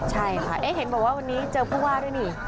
ใช่ค่ะเห็นบอกว่าวันนี้เจอผู้ว่าด้วยนี่